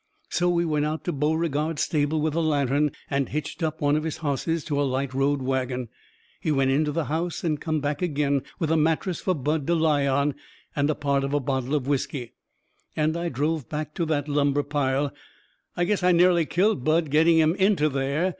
So we went out to Beauregard's stable with a lantern and hitched up one of his hosses to a light road wagon. He went into the house and come back agin with a mattress fur Bud to lie on, and a part of a bottle of whiskey. And I drove back to that lumber pile. I guess I nearly killed Bud getting him into there.